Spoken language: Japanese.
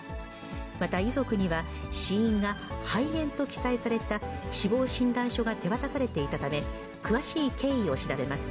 また、遺族には死因が肺炎と記載された死亡診断書が手渡されていたため、詳しい経緯を調べます。